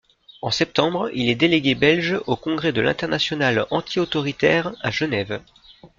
En septembre, il est délégué belge au congrès de l'Internationale antiautoritaire à Genève.